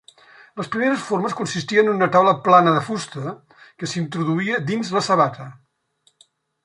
Les primeres formes consistien en una taula plana de fusta que s'introduïa dins la sabata.